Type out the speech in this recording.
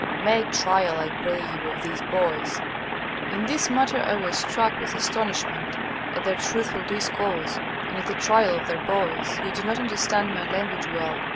Make trial, I pray you, of these boys." In this matter I was struck with astonishment at their truthful discourse and at the trial of their boys, who did not understand my language well.